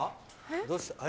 どうした？え？